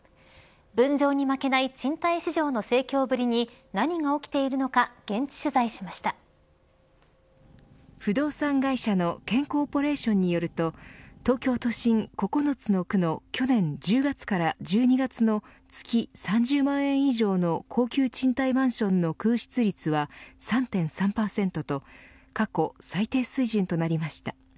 分譲に負けない賃貸市場の成功に何が起きているのか不動産会社のＫＥＮコーポレーションによると東京都心、９つの区の去年１０月から１２月の月３０万円以上の高級賃貸マンションの空室率は３．３％と過去最低水準となりました。